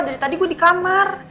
dari tadi gue di kamar